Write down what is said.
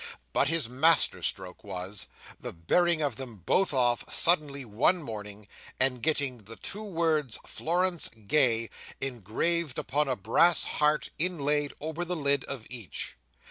But his master stroke was, the bearing of them both off, suddenly, one morning, and getting the two words FLORENCE GAY engraved upon a brass heart inlaid over the lid of each.